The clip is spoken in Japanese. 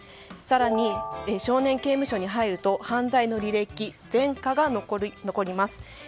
更に、少年刑務所に入ると犯罪の履歴前科が残ります。